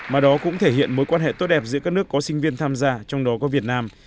mà đó cũng thể hiện mối quan hệ tốt đẹp giữa các nước có sinh viên tham gia trong đó có việt nam